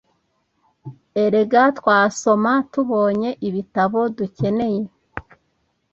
Erega Twasoma tubonye ibitabo dukeneye.